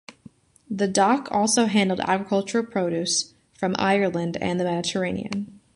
The dock also handled agricultural produce from Ireland and the Mediterranean.